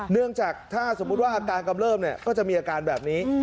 เนื่องจากถ้าสมมุติว่าอาการกำเริบก็จะมีอาการแบบนี้